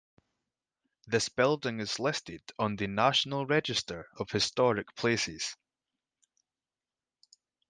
This building is listed on the National Register of Historic Places.